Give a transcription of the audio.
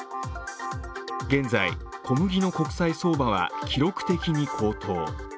現在、小麦の国際相場は記録的に高騰。